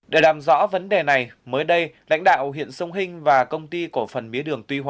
để làm rõ vấn đề này mới đây lãnh đạo huyện sông hinh và công ty cổ phần mía đường tuy hòa